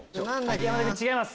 山田君違います。